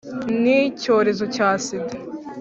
N icyorezo cya sida